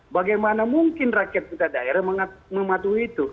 bagaimana mungkin rakyat kita daerah mematuhi itu